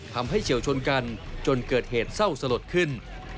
เฉียวชนกันจนเกิดเหตุเศร้าสลดขึ้น